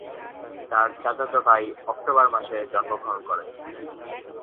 তার চাচাতো ভাই অক্টোবর মাসে জন্মগ্রহণ করে।